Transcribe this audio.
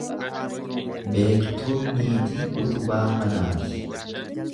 Beektuun niitii utubaa manaati.